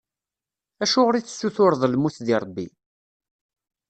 Acuɣer i tessutureḍ lmut di Rebbi?